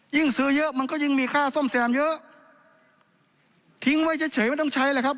ซื้อเยอะมันก็ยิ่งมีค่าซ่อมแซมเยอะทิ้งไว้เฉยเฉยไม่ต้องใช้แล้วครับ